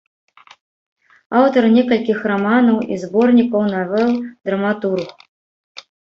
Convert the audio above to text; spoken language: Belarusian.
Аўтар некалькіх раманаў і зборнікаў навел, драматург.